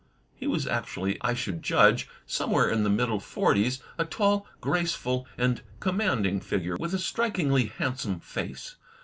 He was actually, I should judge, somewhere in the middle forties, a tall, graceful, and commanding figure, with a strikingly handsome face.